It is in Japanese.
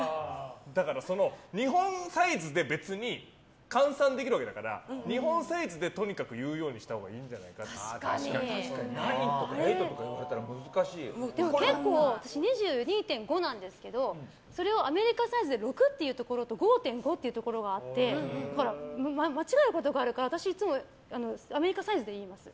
だから日本サイズで別に換算できるわけだから日本サイズで言うようにしたほうがナインとかエイトとか私、２２．５なんですけどそれをアメリカサイズで６というところと５．５っていうところがあって間違えることがあるから私いつもアメリカサイズで言います。